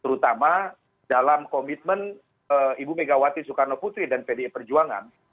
terutama dalam komitmen ibu megawati soekarno putri dan pdi perjuangan